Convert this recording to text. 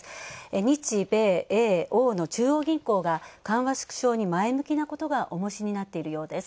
日米英欧の中央銀行が緩和縮小に前向きなことがおもしになっているようです。